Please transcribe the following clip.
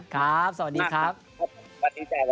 สวัสดีครับ